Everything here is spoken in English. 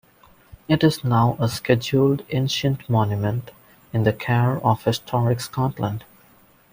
It is now a Scheduled Ancient Monument, in the care of Historic Scotland.